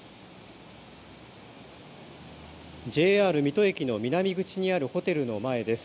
ＪＲ水戸駅の南口にあるホテルの前です。